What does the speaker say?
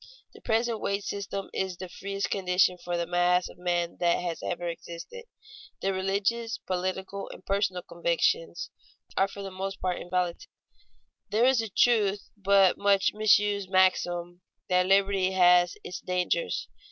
The present wage system is the freest condition for the mass of men that ever has existed. Their religious, political, and personal convictions, are for the most part inviolate. There is a true but much misused maxim that liberty has its dangers.